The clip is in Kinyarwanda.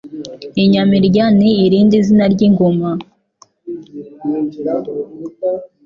Inyamirya ni irindi zina ry' ingoma